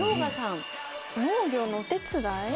農業のお手伝い？